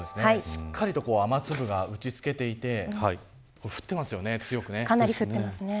しっかりと雨粒が打ち付けていてかなり降っていますね。